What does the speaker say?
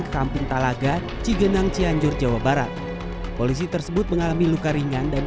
kampung talaga cigenang cianjur jawa barat polisi tersebut mengalami luka ringan dan